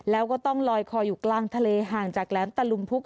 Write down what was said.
แล้วก็ต้องลอยคออยู่กลางทะเลห่างจากแหลมตะลุมพุก